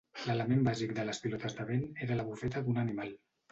L'element bàsic de les pilotes de vent era la bufeta d'un animal.